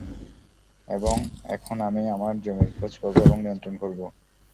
এবং এখন আমি আমার জমির খোঁজ করব এবং নিয়ন্ত্রণ করব।